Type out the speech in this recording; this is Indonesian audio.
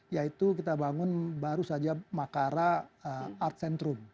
yaitu kita bangun baru saja makara art centrum